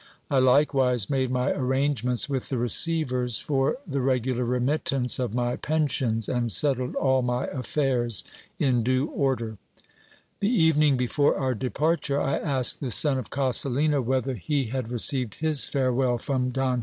I likewise made my arrange ments with the receivers for the regular remittance of my pensions, and settled all my affairs in due order. The evening before our departure, I asked the son of Coselina whether he GIL BLAS RETURNS TO LIRIAS. 439 had received his farewell from Don Henry.